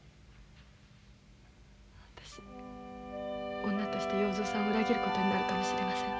私女として要造さんを裏切ることになるかもしれません。